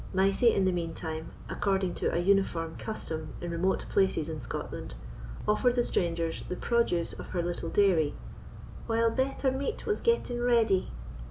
Mysie, in the mean time, according to a uniform custom in remote places in Scotland, offered the strangers the produce of her little dairy, "while better meat was getting ready."